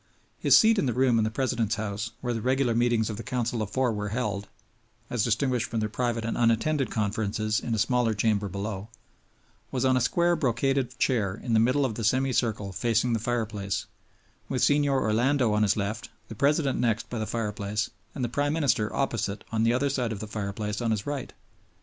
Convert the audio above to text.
His seat in the room in the President's house, where the regular meetings of the Council of Four were held (as distinguished from their private and unattended conferences in a smaller chamber below), was on a square brocaded chair in the middle of the semicircle facing the fireplace, with Signor Orlando on his left, the President next by the fireplace, and the Prime Minister opposite on the other side of the fireplace on his right.